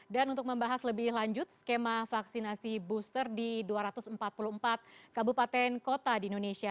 untuk membahas lebih lanjut skema vaksinasi booster di dua ratus empat puluh empat kabupaten kota di indonesia